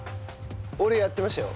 俺やってましたよ。